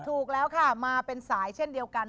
ถูกแล้วค่ะมาเป็นสายเช่นเดียวกัน